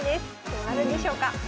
どうなるんでしょうか。